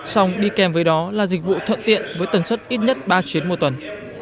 xong đi kèm với đó là dịch vụ thuận tiện với tầng suất ít nhất ba chuyến một tuần